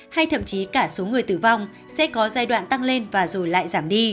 hay thậm chí cả số người tử vong sẽ có giai đoạn tăng lên và rồi lại giảm đi